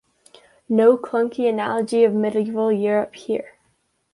No clunky analogy of medieval Europe here.